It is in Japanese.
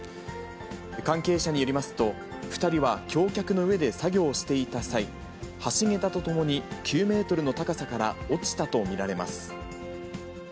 関係者によりますと、２人は橋脚の上で作業をしていた際、橋桁とともに９メートルの高さから落ちたと見られます。